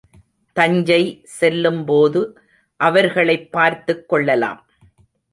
தஞ்சை செல்லும்போது அவர்களைப் பார்த்துக் கொள்ளலாம்.